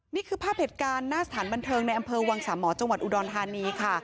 นี่คือภาพเหตุการณ์หน้าสถานบันเทิงในอำเภอวังสามหมอจังหวัดอุดรธานีค่ะ